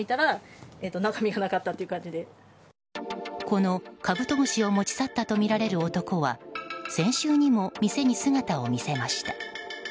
このカブトムシを持ち去ったとみられる男は先週にも店に姿を見せました。